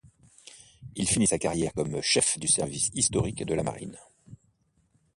Il finit sa carrière comme chef du Service historique de la Marine.